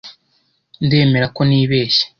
Ndemera ko nibeshye.